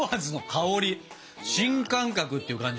新感覚っていう感じ。